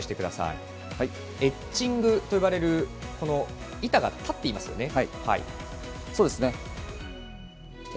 エッジングと呼ばれる板が立っていますね。